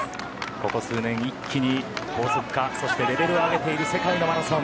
ここ数年、一気に高速化そしてレベルを上げている世界のマラソン。